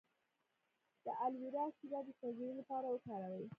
د الوویرا شیره د سوځیدو لپاره وکاروئ